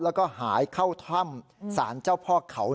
แล้วก็หายเข้าถ้ำสารเจ้าพ่อเขา